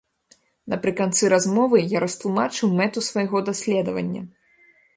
Напрыканцы размовы я растлумачыў мэту свайго даследавання.